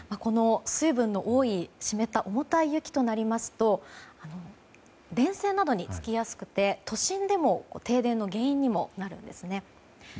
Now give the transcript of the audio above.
水分の多い湿った重たい雪となりますと電線などにつきやすくて都心でも停電の原因になるんですね。